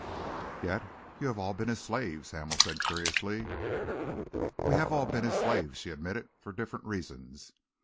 "Yet you have all been his slaves," Hamel said curiously. "We have all been his slaves," she admitted, "for different reasons.